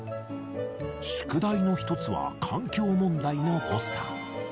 宿題の一つは、環境問題のポスター。